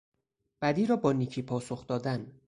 بدی را با نیکی پاسخ دادن